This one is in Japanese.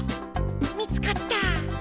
みつかった。